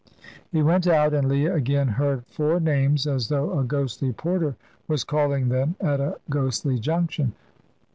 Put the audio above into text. He went out, and Leah again heard four names as though a ghostly porter was calling them at a ghostly junction.